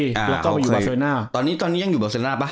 อ่าโอเคแล้วเขาอยู่เบาเซอร์น่าตอนนี้ตอนนี้ยังอยู่เบาเซอร์น่าปะ